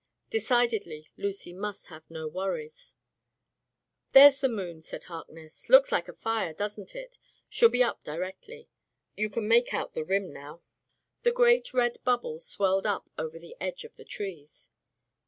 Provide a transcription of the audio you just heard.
Decidedly, Lucy must have no worries, "There's the moon/' said Harkness. "Looks like a fire, doesn't it? She'll be up directly. You can make out the rim now." The great red bubble swelled up over the edge of the trees.